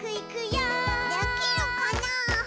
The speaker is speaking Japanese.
できるかなぁ？